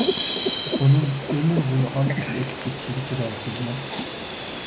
ئۇنىڭ ئۆمۈر بويى ئانىسىز ئۆتۈپ كېتىشىگە چىدارسىزمۇ؟